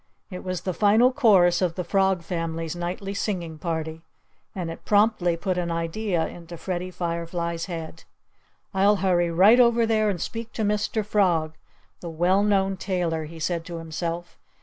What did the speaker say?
It was the final chorus of the Frog family's nightly singing party. And it promptly put an idea into Freddie Firefly's head. "I'll hurry right over there and speak to Mr. Frog, the well known tailor," he said to himself.